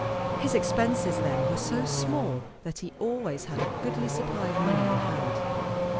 His expenses, then, were so small that he always had a goodly supply of money on hand.